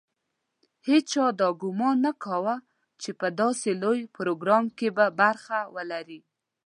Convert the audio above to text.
هېچا دا ګومان نه کاوه چې په داسې لوی پروګرام کې به برخه ولري.